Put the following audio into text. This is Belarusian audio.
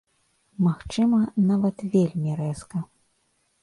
Магчыма, нават вельмі рэзка.